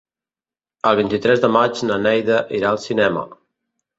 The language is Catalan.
El vint-i-tres de maig na Neida irà al cinema.